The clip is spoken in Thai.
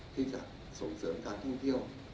ที่จะส่งเสริมการท่องเที่ยว